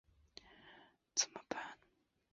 三裂羊耳蒜为兰科羊耳蒜属下的一个种。